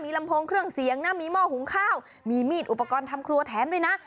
ลำโพงเครื่องเสียงนะมีหม้อหุงข้าวมีมีดอุปกรณ์ทำครัวแถมด้วยนะ